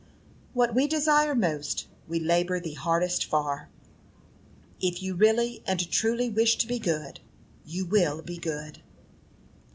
What we desire most we labor the hardest for. If you really and truly wish to be good, you will be good."